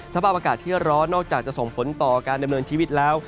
สภาพอากาศที่ร้อนนอกจากจะส่งผลต่อการดำเนินชีวิตแล้ว